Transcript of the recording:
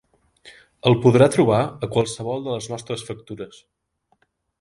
El podrà trobar a qualsevol de les nostres factures.